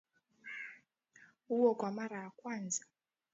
huo kwa mara ya kwanza